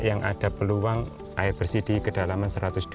yang ada peluang air bersih di kedalaman satu ratus dua puluh